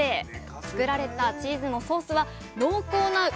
作られたチーズのソースは濃厚なうまみに。